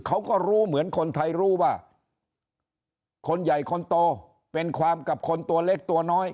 เขาก็รู้เหมือนคนไทยรู้ว่าคนใหญ่คนโตเป็นความกับคนตัวเล็กตัวน้อย